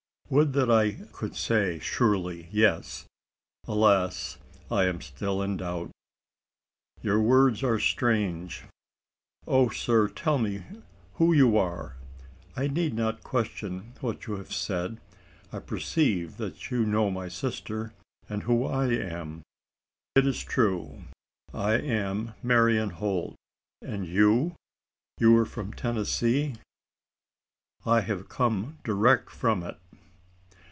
"Would that I could say surely yes! Alas! I am still in doubt." "Your words are strange. O sir, tell me who you are! I need not question what you have said. I perceive that you know my sister and who I am. It is true: I am Marian Holt and you? you are from Tennessee?" "I have come direct from it."